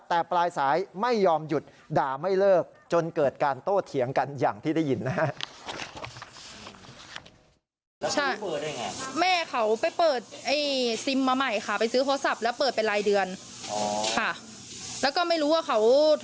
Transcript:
แต่ปลายสายไม่ยอมหยุดด่าไม่เลิกจนเกิดการโต้เถียงกันอย่างที่ได้ยินนะฮะ